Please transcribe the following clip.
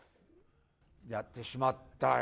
やってしまったよ。